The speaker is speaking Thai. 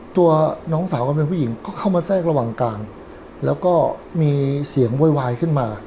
ตัวน้องสาวก็เป็นผู้หญิงก็เข้ามาแทรกระหว่างกลางแล้วก็มีเสียงโวยวายขึ้นมา